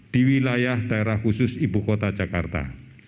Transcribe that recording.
di wilayah daerah khusus ibu kota jakarta